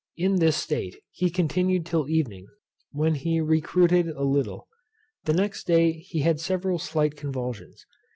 In this state he continued till evening, when he recruited a little. The next day he had several slight convulsions.